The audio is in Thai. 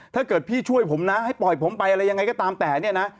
ถ้าเกิดพี่ช่วยผมนะให้ปล่อยผมไปอะไรยังไงก็ตามแต่เนี่ยนะ